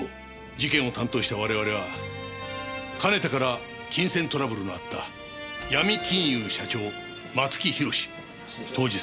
事件を担当した我々はかねてから金銭トラブルのあったヤミ金融社長松木弘当時３０歳を逮捕した。